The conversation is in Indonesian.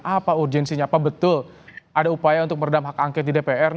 apa urgensinya apa betul ada upaya untuk meredam hak angket di dpr